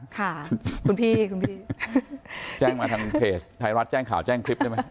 ค่ะคุณพี่คุณพี่แจ้งมาทางเพจไทยรัฐแจ้งข่าวแจ้งคลิปได้ไหม